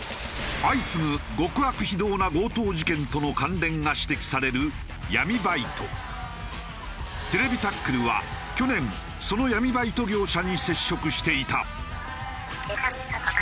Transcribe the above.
相次ぐ極悪非道な強盗事件との関連が指摘される『ＴＶタックル』は去年その闇バイト業者に接触していた。